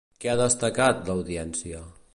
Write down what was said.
Què ha declarat, l'Audiència?